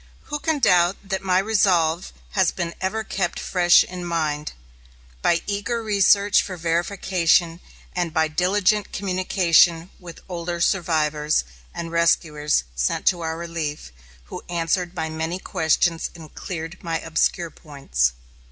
Who can doubt that my resolve has been ever kept fresh in mind, by eager research for verification and by diligent communication with older survivors, and rescuers sent to our relief, who answered my many questions and cleared my obscure points?